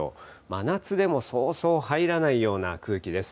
真夏でもそうそう入らないような空気です。